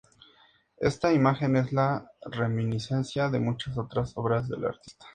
Esta imagen es la reminiscencia de muchas otras obras del artista.